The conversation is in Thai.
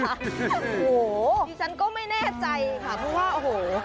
โอ้โหดิฉันก็ไม่แน่ใจค่ะเพราะว่าโอ้โห